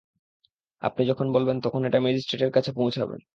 আপনি যখন বলবেন তখন এটা ম্যাজিস্ট্রেট এর কাছে পৌঁছাবে।